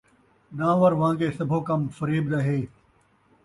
ݙان٘ور وان٘گے سبھو کم فریب دا ہے